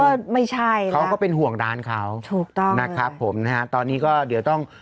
ก็ไม่ใช่เขาก็เป็นห่วงร้านเขาถูกต้องนะครับผมนะฮะตอนนี้ก็เดี๋ยวต้อง